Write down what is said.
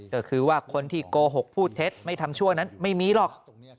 ก็คือว่าคนที่โกหกพูดเท็จไม่ทำชั่วนั้นไม่มีหรอก